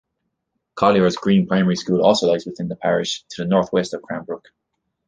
Colliers Green Primary School also lies within the parish, to the north-west of Cranbrook.